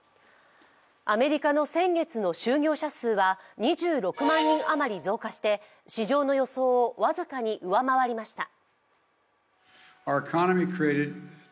アメリカの先月の就業者数は２６万人余り増加して市場の予想を僅かに上回りました。